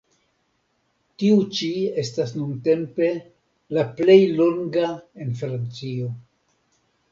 Tiu ĉi estas nuntempe la plej longa en Francio.